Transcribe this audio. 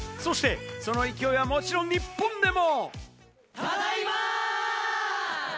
その勢いはもちろん日本でも。